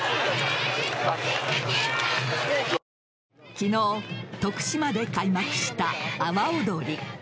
昨日、徳島で開幕した阿波おどり。